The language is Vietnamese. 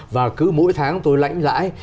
và cứ mỗi tháng tôi lãnh lãi